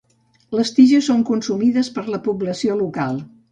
Les tiges són consumides per la població local.